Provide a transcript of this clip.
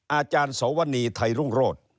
อาจารย์สวนีไทยรุ่งโรธ